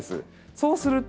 そうすると。